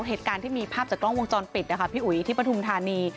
เหตุการณ์ที่มีภาพจากกล้องวงจรปิดนะคะพี่อุ๋ยที่ปฐุมธานี